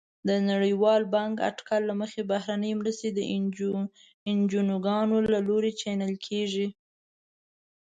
د نړیوال بانک اټکل له مخې بهرنۍ مرستې د انجوګانو له لوري چینل کیږي.